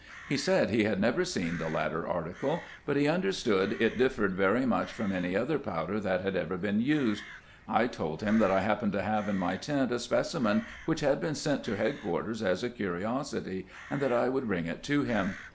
He said he had never seen the latter article, but he understood it differed very much from any other powder that had ever been used. I told him that I happened to have in my tent a speci men which had been sent to headquarters as a curiosity, and that I would bring it to him.